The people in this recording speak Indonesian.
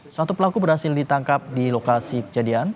satu pelaku berhasil ditangkap di lokasi kejadian